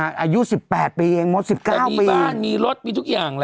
อายุ๑๘ปีเองมด๑๙แต่มีบ้านมีรถมีทุกอย่างเลย